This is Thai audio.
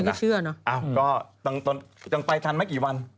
ก็ยังไปทันไม่กี่วัน